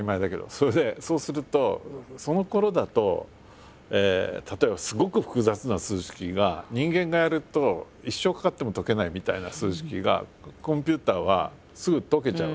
それでそうするとそのころだと例えばすごく複雑な数式が人間がやると一生かかっても解けないみたいな数式がコンピューターはすぐ解けちゃう。